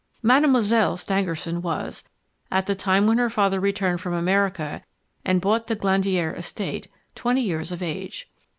Mademoiselle Stangerson was, at the time when her father returned from America and bought the Glandier estate, twenty years of age.